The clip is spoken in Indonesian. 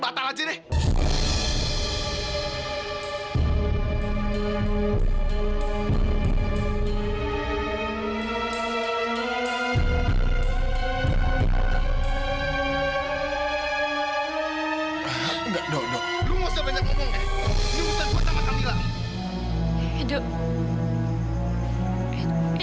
ini bukan kuat sama camilla